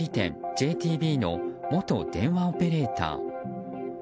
ＪＴＢの元電話オペレーター。